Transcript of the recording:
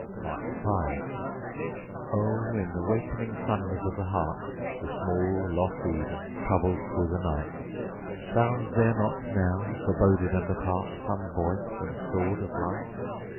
V Oh, in the wakening thunders of the heart, The small lost Eden, troubled through the night, Sounds there not now, forboded and apart, Some voice and sword of light?